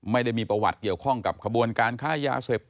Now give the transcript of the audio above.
ไม่ได้มีประวัติเกี่ยวข้องกับขบวนการค้ายาเสพ